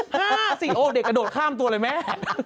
ถ้าสิโอ้เด็กกระโดดข้ามตัวเลยแม่